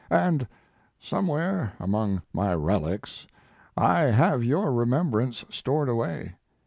And somewhere among my relics I have your remembrance stored away.